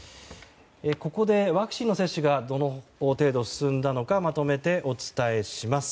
ここでワクチンの接種がどの程度進んだのかまとめてお伝えします。